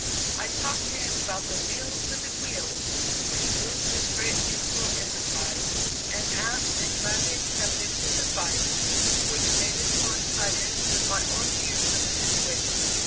I talked to him about the "wheels within wheels" which moved this great musical enterprise, and asked and gladly accepted his advice, which mainly coincided with my own views of the situation.